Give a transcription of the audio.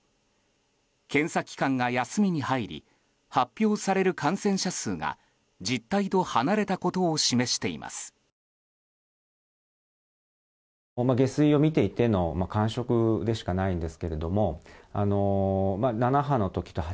検査機関が休みに入り発表される感染者数が実態と離れたことを示しています。